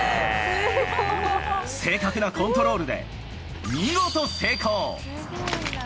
正確なコントロールで、見事成功。